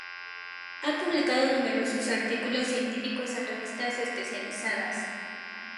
Ha publicado numerosos artículos científicos en revistas especializadas.